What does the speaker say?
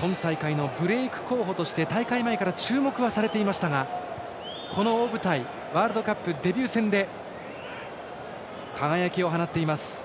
今大会のブレーク候補として大会前から注目されていましたがこの大舞台、ワールドカップのデビュー戦で輝きを放っています。